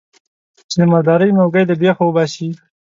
چې د مردارۍ موږی له بېخه وباسي.